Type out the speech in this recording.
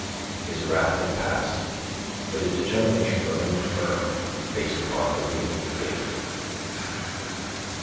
His wrath had passed; but his determination remained firm, based upon the reason he gave.